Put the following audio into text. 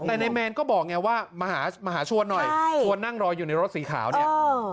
แต่นายแมนก็บอกไงว่ามาหามาหาชวนหน่อยใช่ชวนนั่งรออยู่ในรถสีขาวเนี่ย